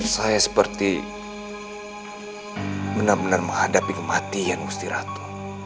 saya seperti benar benar menghadapi kematian ustiratu